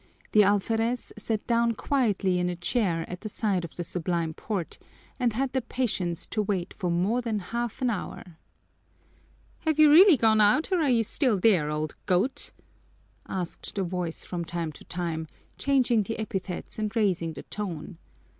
The alferez sat down quietly in a chair at the side of the Sublime Port and had the patience to wait for more than half an hour. "Have you really gone out or are you still there, old goat?" asked the voice from time to time, changing the epithets and raising the tone.